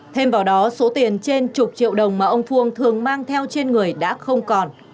thêm vào đó số tiền trên chục triệu đồng mà ông phương thường mang theo trên người đã không còn